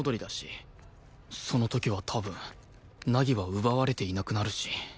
その時は多分凪は奪われていなくなるし